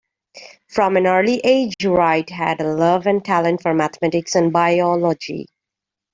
From an early age Wright had a love and talent for mathematics and biology.